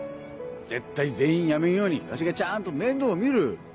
絶対全員辞めんようにわしがちゃんと面倒見る！